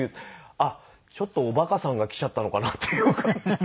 あっちょっとお馬鹿さんが来ちゃったのかなっていう感じで。